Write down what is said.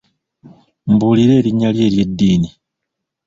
Mbuulira erinnya lyo ery'eddiini.